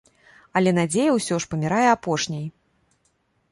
Але надзея ўсё ж памірае апошняй.